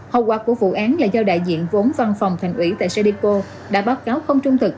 hậu quả của vụ án là do đại diện vốn văn phòng thành ủy tại cdipo đã báo cáo không trung thực